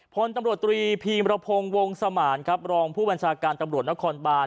พลตำรวจตรีพีมรพงศ์วงสมานครับรองผู้บัญชาการตำรวจนครบาน